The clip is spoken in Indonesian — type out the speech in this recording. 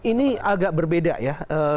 ini agak berbeda ya